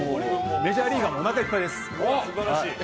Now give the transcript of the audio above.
メジャーリーガーもおなかいっぱいです。